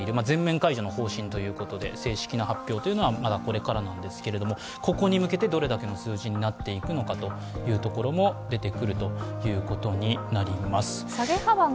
全面解除の方針ということで正式な発表はまだこれからですがここに向けてどれだけの数字になっていくのかというところになります。